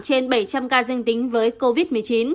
trên bảy trăm linh ca dương tính với covid một mươi chín